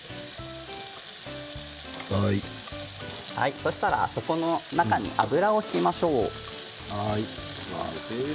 そうしたら、そこの中に油を引きましょう。